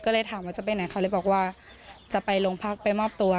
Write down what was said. ก็เลยถามว่าจะไปไหนเขาเลยบอกว่าจะไปโรงพักไปมอบตัว